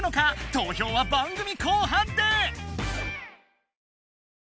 投票は番組後半で！